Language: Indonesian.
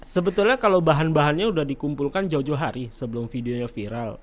sebetulnya kalau bahan bahannya sudah dikumpulkan jauh jauh hari sebelum videonya viral